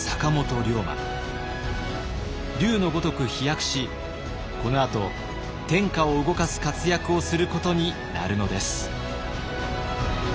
龍のごとく飛躍しこのあと天下を動かす活躍をすることになるのです。